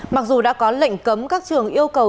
mặc dù đã có lệnh cấm các trường yêu cầu